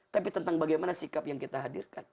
tapi tentang bagaimana sikap yang kita hadirkan